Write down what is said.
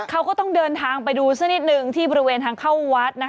เขาก็ต้องเดินทางไปดูซะนิดนึงที่บริเวณทางเข้าวัดนะคะ